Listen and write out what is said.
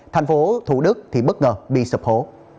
thành phố thủ đức bất ngờ bị sập hổ